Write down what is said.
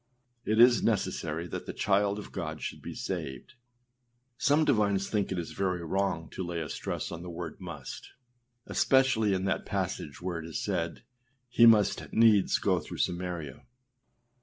It is necessary that the child of God should be saved. Some divines think it is very wrong to lay a stress on the word âmust,â especially in that passage where it is said âhe must needs go through Samaria.